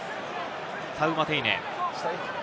タウマテイネ。